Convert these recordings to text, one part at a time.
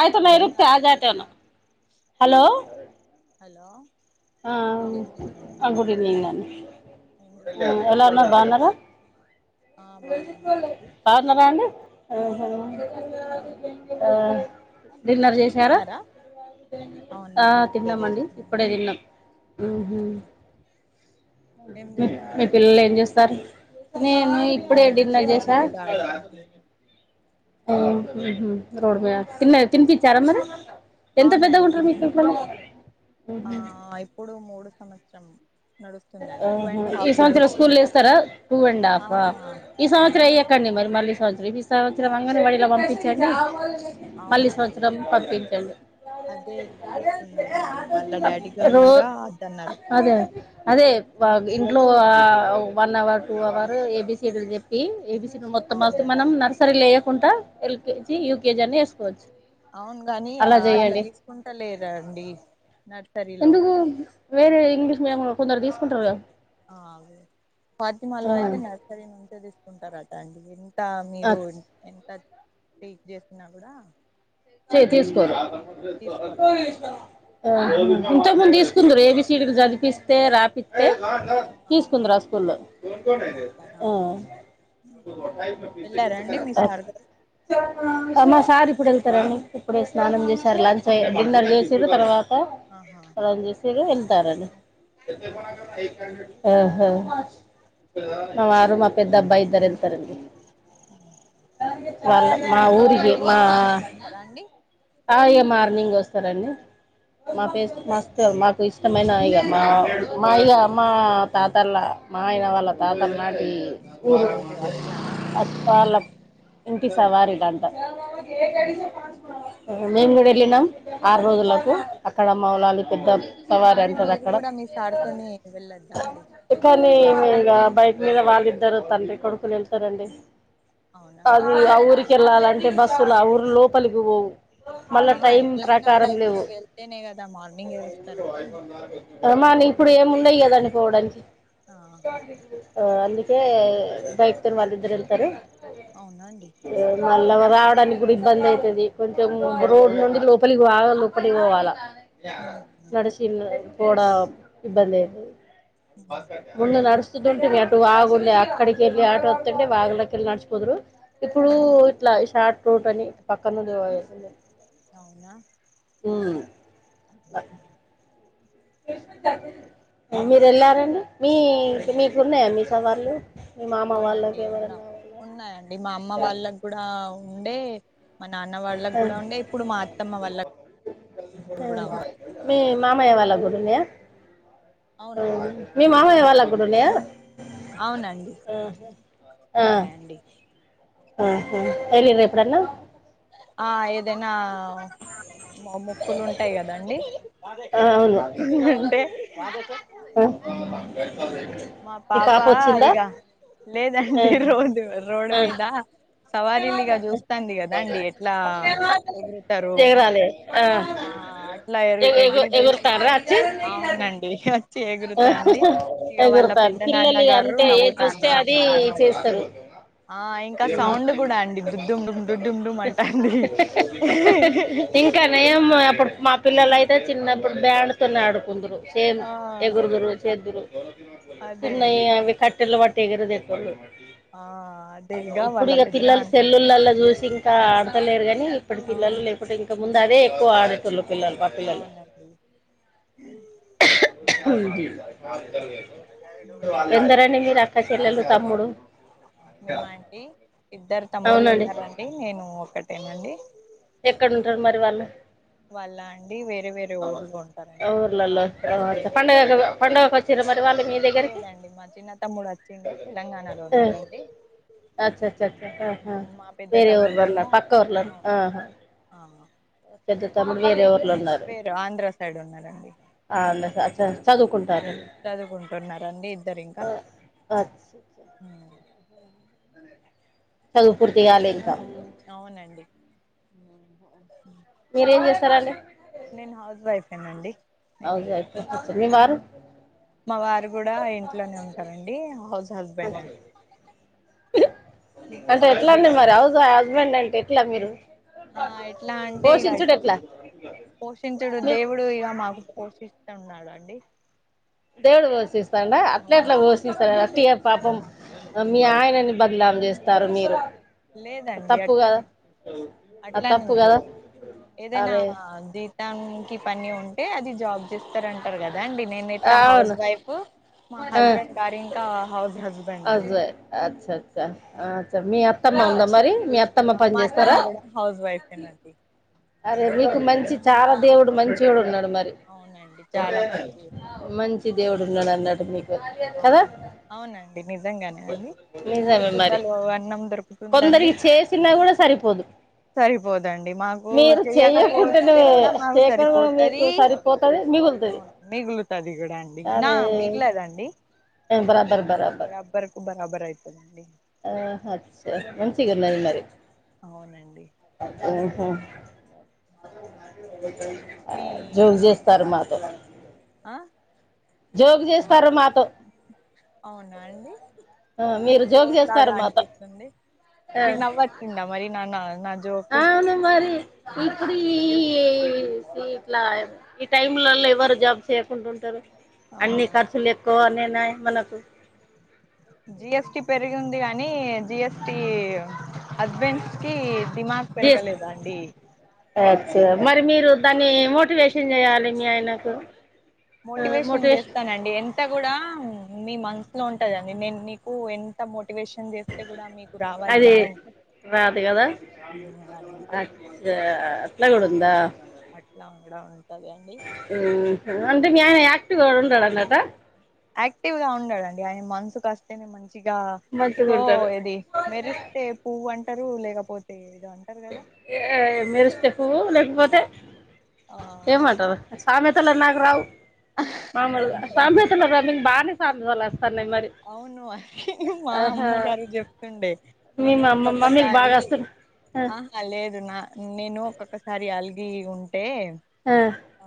ఆయితే హలో మేరు ప్యాధోటోను hello hello good evening madam ఆ గుడ్ ఈవనింగ్ అన్ ఏం చేస్తున్నారు ఎలా ఉన్నారు బాగున్నారా ఆ బాగున్నామండి అహ మీరు ఆ డిన్నర్ చేసారా తిన్నారా ఆ అవునండి ఇప్పుడే తిన్నామండి ఇప్పుడే చేస్తున్నామండి తిన్నాం ఉహు ఏం మీ తీసుకున్నారండి పిల్లలు ఏం చేస్తారు నేను మా ఇప్పుడే పిల్లలు అండి డిన్నర్ రోడ్డు చేసా మీద ఆడుకుంటున్నారు ఆ ఉహు రోడ్ మే తిన్న తినిపిచ్చారా మరి ఎంత పెద్దగా అవునండి ఉంటారు మీ తినిపి పిల్లలు ఆ ఇప్పుడు మూడు సంవత్సరం నడుస్తుందండి టూ అహ అండ్ ఈ హాఫ్ సంవత్సరం స్కూల్లో నడుస్తుంది వేస్తారా టూ అండ్ హాఫా ఆహా ఈ సంవత్సరం అవునండి ఎయ్యకండి మరి మళ్ళీ సంవత్సరం ఈ సంవత్సరం అంగన్వాడిలో పంపించండి మళ్ళీ అవునండి సంవత్సరం పంపించండి అదే చూస్తున్నామండి వాళ్ళ డాడీ గారు రో కూడా అద్దన్నారు అదే అదే ఇంట్లో one hour two hour A B C D లు చెప్ ఏబిసీలు మొత్తం అవునండి మనం నర్సరీ లేేయకుంట ఎల్కేజీ యూకేజీ అని వేసుకోవచ్చు అవును గాని అలా అట్లా చేయండి తీసుకుంట లేరాండి నర్సరీలో ఎందుకు వేరే ఇంగ్లీష్ మీడియం లో కొందరు తీసుకుంటారు ఎ అదే ఆ, ఫాతిమాలో అయితే నర్సరీ నుంచే తీసుకుంటారట అండి ఎ త ఆ, మీరు ఎంత టీచ్ చేసినా కూడా చె తీసుకోరు తీసుకోరట ఇంతకు ముందు అందుకు తీసుకుందరు ఏబీ సీడీలు చదిపిస్ తే రాపిస్తే ఆహా తీసుకుందురు ఆ స్కూల్లో అట్లానా వెళ్ళారా అండి మీ సార్ గారు ఆ మా సార్ ఇప్ ఇప్పుడు వెళ్తారని ఇప్పుడే ఆ స్నానం చేశారు లంచ్ అ డిన్నర్ చేసిరు తర్వా ఆహా రంజిసిరు వెళ్తారని అహ మా వారు అట్లా మా ఎద్ద అబ్బాయి ఇద్దరు ఎళ్తరండి వాళ మా ఊరికి మా సర అండి ఆ ఇగ మార్నింగ్ వస్తారండి మాపే మస్తు మాకు ఇ ఇష్టమనవి ఇగ మా మా ఇగ మా తాతలా మా ఆయన వాళ్ళ తాతలు నాటి ఊరు ఓహో అట్లానా వాళ్ళ ఇంటి సవారిద అంట నేన్ గుడ ఎళ్లినం ఆరు ఉమ్, రోజులకు అక్కడ మౌలాలి అవునా పెద్ద సవారి అంటారు అక్కడ ఆండి కానీ ఇంగ బైక్ మీద వాళ్ళిద్దరు తండ్రి కొడుకులు ఎళ్తారండి అవునా అండి అది ఆ ఊరికేళ్ళాలంటే బస్సులు ఆ ఊరు లోపలికి పోవు మళ్ళా ఆహా టైం ఎట్లాయినా కూడా ప్రకారం ఇప్పుడు లేవు వెళ్తేనే కదా మార్నింగే వస్తారు కదాండి కానీ ఇప్పుడు ఏమిన్నాయి కద అండి పోవడానికి ఆహా అ అందు కే బైక్ తోని వాళ్ళద్దరు వెళ్తారు అవునా అండి ఆ, మళ్ళా రావడానికి కూడా ఇబ్బంది అయితది కొంచెం రోడ్డు నుండి లోపలికి బాగా లోపలికి పోవాల ఉమ్, ఉమ్, నడిచి పోడ ఇబ్బంది అయితది ఉమ్, ముందు నడిసి ఉంటుంది అటు వాగు ఉంది అక్కడికి వెళ్లి అటు వతుంటే వాగులో కెళ్ళి నడుచుపోదురు ఇప్పుడు ఉమ్, ఇట్లా షార్ట్ రూట్ అని పక్క నుండి పోయేకుంది అవునా ఉమ్. తె మీరు వెళ్ళారండి మీ మీ మీకు ఉన్నాయా మీ సవాళ్లు అవునండి ఉన్నాం ఉన్నాయండి మా అమ్మ వాళ్ళకి కూడా ఉండే మా నాన్న వాళ్ళకి ఆ, కూడా ఉండే ఇప్పుడు మా అత్తమ్మ వాళ్ళ కూడా ఉం ఆ. మీ మామయ్య వాళ్ళకి గూడ ఉన్నాయ అవునండి మీ మామయ్య వాళ్ళకి కూడా ఉన్నాయా అవునండి అహ ఆ ఉన్నాయండి అహ ఎల్లిర్ర ఎప్పుడన్న ఆ ఏదైనా మో మోక్కులుంటాయి కదండి ఆ, అవును మొక్కు ఉందంటే ఆ, మా మీ పాప వచ్చిందా ఇగ ఆ, లేదండి రోడ్ రోడ్ ఆ. మీద సవారీలుగా చూస్తుంది గ దండి ఎట్లా ఎగురుతారు ఆ అట్లా ఎ ఎగు ఎగు ఎగిరి చు అవునండి వచ్చి ఆ ఎగురుతాంది ఇగ వాళ్ళ ఎగురుతా పెద్ద నాన్న పిల్లలు ఇగ గారు అంతే ఏది చూస్తే నవ్వుతాండ్రండి అది చేస్తారు ఆ ఇంకా సౌండ్ కూడా అండి దుడ్డుమ్ డుమ్ డుడ్డుమ్ డుమ్ అంటాంది ఇంకా నయం అప్పుడు మా పిల్లలయితే చిన్నప్పుడు బ్యాండ్తోనే ఆడుకుందరు సేమ్ ఆ ఎగురుదురు చేదురు అదే చిన్నవి అవి కట్టెలు పట్టి ఎగురుదుటోళ్ళు ఆ అదే ఇప్పుడు వాళ్ళ ఇగ పిల్లలు పెద్దనాన్న సెల్లులలా చూసి ఇంకా ఆడతలేరు కానీ ఇప్పుడు పిల్లలు అవును లేకుంటే ఇంకా ముందు అదే ఎక్కువ ఆడేటోళ్లు అవునండి ఎందరండి మీరు అక్క చెల్లెలు తమ్ముడు మేమాంటీ ఇద్దరు తమ్ముళ్ళు అవునండి ఉన్నారండి నేను ఒకటేనండి ఎక్కడుంటారు మరి వాళ్ళు వాళ్ళా అండి వేరే వేరే ఊర్లో ఉంటారండి ఒకరు ఊర్లలో ఆంధ్ర ఆ, అచ్చా. సైడ్ పండగ పండగకు వచ్చారు మరి వాళ్ళు మీ దగ్గరికి లేదండి మా చిన్న తమ్ముడు వచ్చిండు తెలంగాణలో ఉన్నాడండి అచ్చచ్చ ఆ మా పెద్ద వేరే ఊర్ తమ్ముడేమో పక్క ఊర్ల ఆ ఆ పెద్ద తమ్ము వేరే ఊర్లో ఉన్నారు వేరు ఆంధ్ర సైడ్ ఉన్నారండి అచ చదువుకుం చదువుకుంటున్నారండి ఇద్దరు ఇంకా ఆ, అచ్చా అచ్చా. చదువు పూర్తి కాలే ఇంకా అవునండి మీరేం చేస్తరండి నేను హౌస్ వైఫే నండి హౌస్ వైఫ అచ్చచ్చ మీ వారు మా వారు కూడా ఇంట్లోనే ఉంటారండి హౌస్ హస్బెండ్ అండి అంటే ఎట్లా అండి మరి హౌస్ హస్బెండ్ అంటే ఎట్లా మీరు ఆ ఎట్లా అంటే ఇగ పోషించుడు ఎట్లా పోషించుడు మీ- దేవుడు ఇగ మాకు పోషిస్తున్నాడు అండి దేవుడు పోషిస్తాడా అట్లే అట్లా అవునండి పోషిస్తా వొట్టిగా పాపం మీ ఆయనని బద్లాం చేస్తారు మీరు లేదండి తప్పు కదా అట్లనె అది తప్పు కదా ఏదైనా అరే జీతాం కి పని ఉంటే అది జాబ్ ఇస్తారంటారు కదా అండి నేను ఇట్లా హౌస్ అవును వైఫ్ మా హస్బెండ్ గారి ఇంకా హౌస్ హస్బెం హౌస్ వైఫ్ అచ్చచ్చ ఆ అచ్చ మీ అత్తమ్మ ఉందా మరి మీ అత్తమ్మ పని మా అత్తమ్మ చేస్తారా కూడా హౌస్ వైఫేనండి అదే మీకు మంచి చాలా దేవుడు మంచొడు ఉన్నాడు మరి అవునండి చాలా మంచి మంచి దేవుడు ఉన్నాడు అన్నట్ మీ అవునండి అవునండి నిజంగానే అండి మూడు నిజమే మరి పూటలు అన్నం దొరుకుతుంద కొందరికి చేసిన కూడా సరిపోదు సరిపోదండి మా ఓ మీరు చెయ్యకుంటేనే చెయ్యకపోతే కూడా మాకు చేయకుండా కూడా మీకు సరిపోతది సరిపోతది మిగులుతది మిగులుతది అది కూడా అండి నా మిగలదండి బరాబర బరాబర్ అండి అహ అచ్చ మంచిగున్నది మరి అవునండి మీ జోగు చేస్తారు మాతో ఆ జోగు చేస్తారు మాతో అవునా అండి ఆ మీకు మీరు జోక్ లాగా చేస్తారు మాతో అనిపిస్తుంది మీకు నవ్వచ్చిందా మరి నాన్న ఆవును మరి ఇప్పుడు ఈ ఇట్లా ఈ టైమ్లలో ఎవరు జాబ్ చేయకుండా ఉంటారు అన్ని అవునా అండి ఖర్చులు ఎక్కువ అనేనాయి మనకు జిఎస్టి పెరిగింది అని జిఎస్టి హస్బెండ్స్ కి దిమాగ్ జీస్ పెరగలేద అండి సో దాన్ని మోటివేషన్ చేయాలి మీ ఆయనకు మోటివేషన్ చేస్తానండి ఎంత కూడా మీ మనసు లో ఉంటదండి నే నీకు ఎంత మో మోటివేషన్ చేస్తే కూడా మీకు రావాలి అది కదా రాదు కదా అదంతా అచ్చ అట్ల కూడ ఉందా అట్లా ఉండడం అంటే మీ ఆయన ఆక్టివ్గా ఉండడన్నట్టా యాక్టివ్ గా ఉండండి ఆయన మనసుకు అస్తేనే మ మంచిగా మంచిగా ఇగో ఉంటారు ఏది మెరిస్తే పువ్వు అంటారు లేకపోతే అంటారు కదా ఏ మెరిస్తే పువ్వు లేకపోతే ఆ ఏమంటరు సామెతలు నాకు రావు మామూలుగా సామెతలు రన్నింగ్ బాగానే సామెతలు వస్తానాయి అవును అ మా అమ్మగారు చెప్తుండే మీ నేను మా మమ్మీకి ఒక్కక్కసారి బాగా వస్తున్నాయి అహ లేదు నా నేను ఒక్కొక్కసారి అలిగి ఉం టె ఆ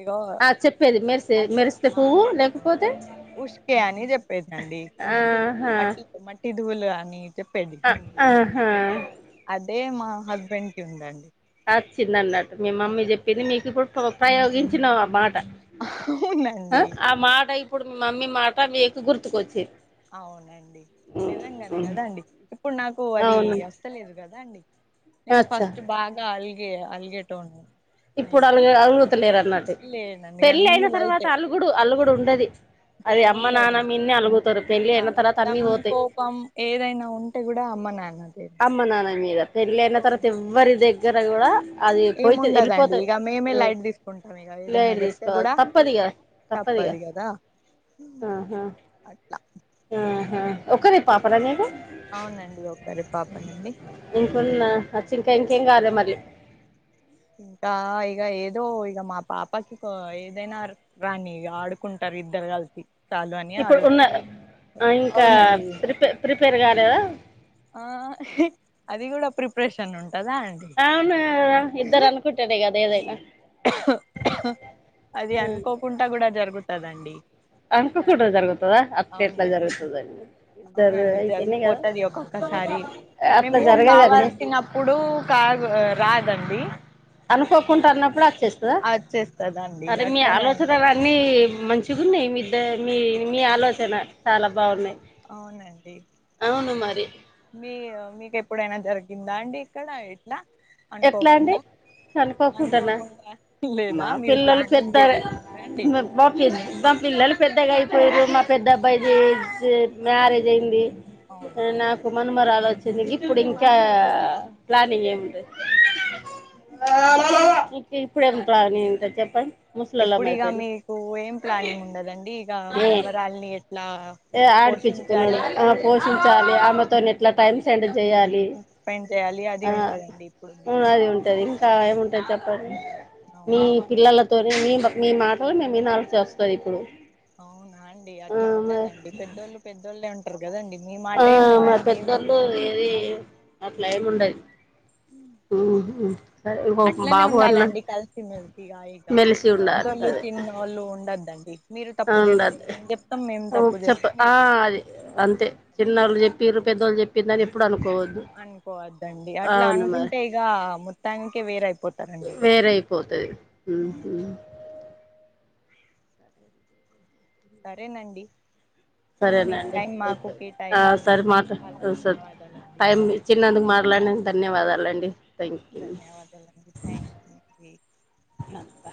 ఇగో ఆ చెప్పేది మెరిసే మెరిస్తే పువ్వు లేకపోతే ఉష్కె అని చెప్పేదండి ఉష్కెకి ఆహా మట్టి మట్టి ధూవేలు అని చెప్పేది హిందీలో ఆహా అదే మా హస్బెండ్ కి ఉందండి అచ్చిందన్నట్టు మీ మమ్మీ చెప్పింది మీకు ఇప్పుడు ఉప ఉపయోగించిన మా అవునండి ఆ మాట ఇప్పుడు మీ మమ్మీ మాట మీకు గుర్తుకొచ్చే అవునండి నిజంగానే కదాండి ఇప్పుడు నాకు అది అవును అస్తలేదు కదా అండి నేను అచ్చా ఫస్ట్ బాగా అల్గే అల్గే టో ఇప్పుడు అలు అలుగుతలేరు అన్నట్టు లేనండి పెళ్లి అన్ని అయిన తర్వాత లైటే అలుగుడు అలుగుడు ఉండది అది అమ్మ నాన్న ఉండదండి మీన్నే అలుగుతారు పెళ్ళి అయిన తర్వాత అలుగుతాం అన్ని పోతాయి కోపం ఏదైనా ఉంటే కూడా అమ్మ నాన్నదే అమ్మ నాన్న మీద పెళ్లి అయిన తర్వాత ఎవ్వరి దగ్గర కూడా అది పోయితే ఎళ్ళి ఇగ మేమే లైట్ తీసుకుంటాం ఇగ ఏదైనా లేట్ చెప్తే తీసుకోవాలి కూడా తప్పదిగా తప్పదిగా తప్పది కదా అట్ల అహ ఒక్కరె పాపనా మీకు అవునండి ఒకరె పాపనండి నచ్చి ఇంకా ఇంకేం కాలే మరి ఇంకా ఇగ ఏదో ఇగ మా పాపకి ఏదైనా రాని ఇగ ఆడుకుంటారు ఇద్దర గల్పి ఇప్పుడు ఉన్న ఇంకా అవునండి ప్రిపే ప్రిపేర్ గాలేదా ఆ అది కూడా ప్రిప్రెషన్ ఉం అవును ఇద్దరు అనుకుంటేనే గా ఏదైనా అది అనుకోకుండా కూడా జరుగుతదండి అనుకోకుంట జరుగుతదా అవునండి ఇద్దరు అవునండి అయితేనే కదా జరిగిపోతది ఒక్కక్కసారి అట్లా జరగదండి రాదండి అనుకోకుంట అన్నప్పుడు అచ్చేస్తదా వచ్చేస్తదండి అట్లనే అండి మంచిగున్నాయి మీద్ద మీ మీ ఆలోచన చాలా బాగున్నాయ్ అవునండి అవును మరి మీ మీకెప్పుడైనా జరిగిందా అండి ఇక్కడ ఇట్ట ఎట్ల అండి చనిపోకుంటనా అనుకోకుండా లేదా మా మీరు పిల్లలు ప్లానింగ్ పెద్ద చేసుకున్నారండి మా పి మా పిల్లలు పెద్దగా అయిపోయి మీరు మా పెద్ద అబ్బాయిది మ్యారేజ్ అయింది అవునా నాకు మన్మరాలు వచ్చింది ఓ ఇప్పుడు ఇంకా ప్లానింగ్ ఏం లేదు ఆ థ్యాంక్యూ ఇంకా నీ ఇంక చెప్ప ఇప్పుడు ఇగ మీకు ఏం ప్లానింగ్ ఉండదండి ఇగ ఏ మన్మరాలిని ఆడిపించుకున్నాడు ఆ ఆడ పోషించాలి పెంచుకోవాలి ఆమెతోని ఎట్లా టైమ్ సెండ్ చేయాలి స్పెండ్ చేయాలి అది ఆ ఉంటదండి ఇప్పుడు మీకు మనాది ఉంటుంది ఇంగ ఏముంటుంది చెప్పం మీ అవునండి పిల్లలతోనీ మీ మీ మాటలు మేము వినాల్సి వస్తది ఇప్పుడు అవునా అండి ఆ, అట్లా మరి ఉండదండి పెద్దోళ్ళు పెద్దోల్లె ఉం వినాలి అట్లా ఏం ఉండది ఉ సరే ఇ అట్లనే బాబు అన్న ఉండాలండి మెలిసి ఉండ అదే వాళ్ళు ఉండోద్దండి అవుండోద్దు చెప్ప చేస్తే ఆ మీరు చెప్తారు అది అంతే చిన్నోళ్లు చెప్ పిర్రు పెద్దోలు చెప్పిందని ఎప్పుడు అను అనుకోవద్దండి అట్లా మరి అనుకుంటే ఇగ మొత్తానికే వేరైపోతారండి డి పోతది మ్ ఉమ్, హు సరేనండి మీ సరేనండి టైం మాకు ఆ సరే మా కేటాయించినందుకు త్ చాలా సర్ ధన్యవాదాలండి టైమ్ ఇచ్చినందుకు మత్ ట్లాడినన్ ధన్యవాదాలండి థ్యాంక్ ధన్యవాదాలండి థ్యాంక్ మీ యూ